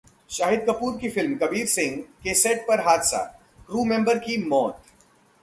शाहिद कपूर की फिल्म कबीर सिंह के सेट पर हादसा, क्रू मेंबर की मौत